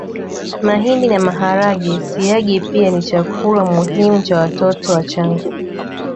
Mahindi na maharage Siagi pia ni chakula muhimu cha watoto wachanga